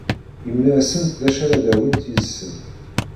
Yemla-asent d acu ara d-awint yid-sent.